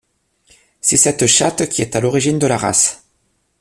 C'est cette chatte qui est à l’origine de la race.